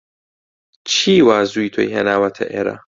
چی وا زوو تۆی هێناوەتە ئێرە؟